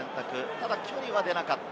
ただ距離は出なかった。